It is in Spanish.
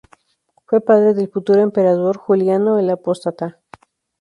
Fue padre del futuro emperador Juliano el Apóstata.